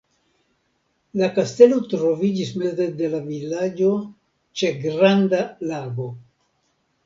La kastelo troviĝis meze de la vilaĝo ĉe granda lago.